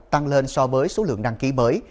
tăng lên so với số lượng đăng ký mới